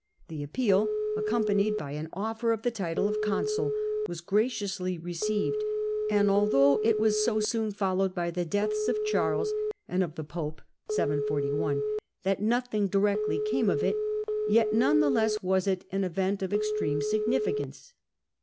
The appeal, accompanied by an offer of the title of consul, was graciously received, and although it was so soon followed by the deaths of Charles and of the pope (741) that nothing directly came of it, yet none the less was it an event of extreme significance.